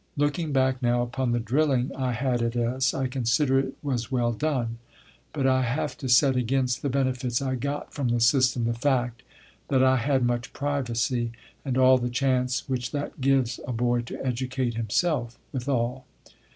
Looking back now upon the drilling I had at S , I consider it was well done; but I have to set against the benefits I got from the system the fact that I had much privacy and all the chance which that gives a boy to educate himself withal.